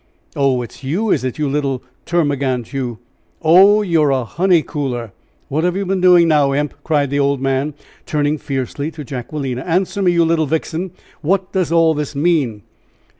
"Oh, it's you, is it, you little termagant you? Oh, you're a honey cooler. What have you been doing now, Imp?" cried the old man, turning fiercely to Jacquelina. "Answer me, you little vixen! what does all this mean?"